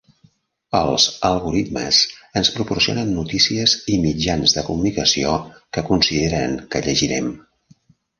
Els algoritmes ens proporcionen notícies i mitjans de comunicació que consideren que llegirem.